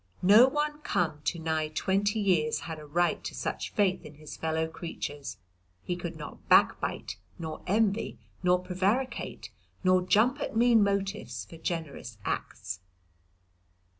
No one come to nigh twenty years had a right to such faith in his fellow creatures. He could not backbite, nor envy, nor prevaricate, nor jump at mean motives for generous acts.